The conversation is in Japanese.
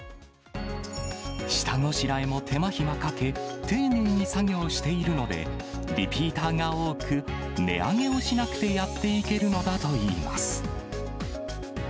下ごしらえも手間暇かけ、丁寧に作業しているので、リピーターが多く、値上げをしなくてやっていけるのだといいます。